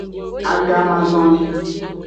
Agamazonli.